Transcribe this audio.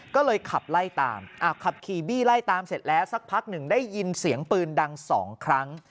ก็เลยขับไล่ตามขับขี่บี้ไล่ตามเสร็จแล้วสักพักหนึ่งได้ยินเสียงปืนดัง๒ครั้ง